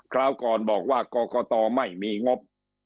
คราวก่อนบอกว่ากรกตไม่มีงบ